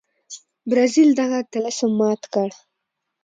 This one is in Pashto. برازیل دغه طلسم مات کړ.